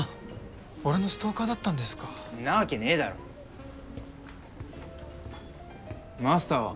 俺のストーカーだったんですかんなわけねえだろマスターは？